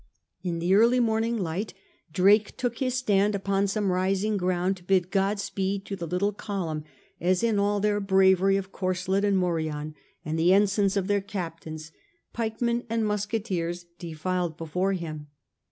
In the early morn ing light Drake took his stand upon some rising ground to bid God speed to the little column, as in all their bravery of corselet and morion and the ensigns of their captains, pikemen and musketeers defiled before him.